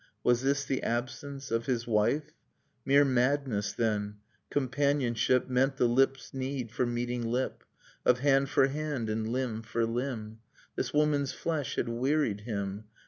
Was this the absence of his wife? Mere madness then: companionship Meant the lip's need for meeting lip, Of hand for hand and limb for limb. This woman's flesh had wearied him.